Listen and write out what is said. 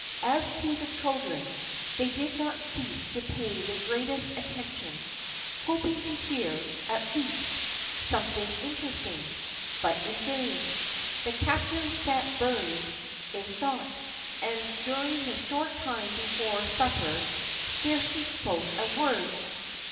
As to the children, they did not cease to pay the greatest attention, hoping to hear, at least, something interesting, but in vain. The captain sat buried in thought, and during the short time before supper scarcely spoke a word.